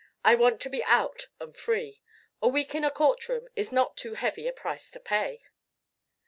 I want to be out and free. A week in a courtroom is not too heavy a price to pay."